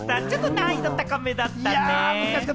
難易度高めだったね。